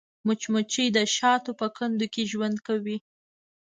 مچمچۍ د شاتو په کندو کې ژوند کوي